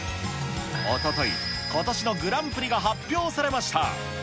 おととい、ことしのグランプリが発表されました。